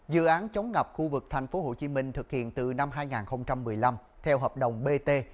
dự án chống ngập khu vực tp hcm thực hiện từ năm hai nghìn một mươi năm theo hợp đồng bt